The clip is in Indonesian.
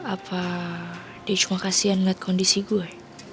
apa dia cukup kasian liat kondisi gue